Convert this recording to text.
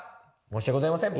申し訳ございません。